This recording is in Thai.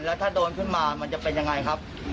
แล้วถ้าโดนขึ้นมามันจะเป็นยังไงครับ